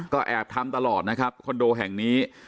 ก็แอบทำตลอดนะครับคอนโดแห่งนี้